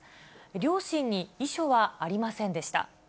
両親に遺書はありませんでした。